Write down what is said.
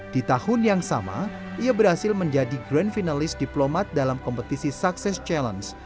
di tahun yang sama ia berhasil menjadi grand finalist diplomat dalam kompetisi sukses challenge